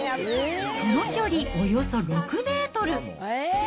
その距離およそ６メートル。